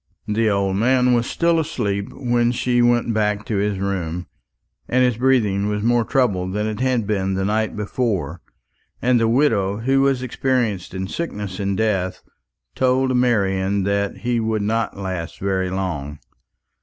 The old man was still asleep when she went back to his room; but his breathing was more troubled than it had been the night before, and the widow, who was experienced in sickness and death, told Marian that he would not last very long.